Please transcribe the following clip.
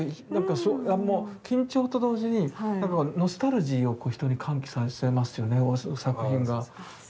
緊張と同時にノスタルジーを人に喚起させますよね作品が。